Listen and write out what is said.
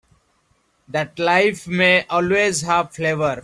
That life may always have flavor.